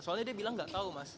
soalnya dia bilang nggak tahu mas